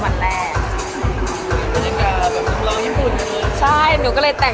นอกจากวันฝีมอบผมฝีมอบอยู่ญี่ปุ่น